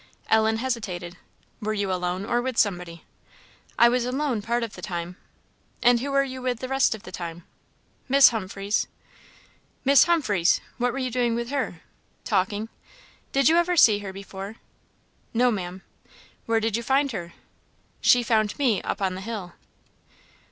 Ellen hesitated. "Were you alone, or with somebody?" "I was alone part of the time." "And who were you with the rest of the time?" "Miss Humphreys." "Miss Humphreys! what were you doing with her?" "Talking." "Did you ever see her before?" "No, Maam." "Where did you find her?" "She found me, up on the hill!"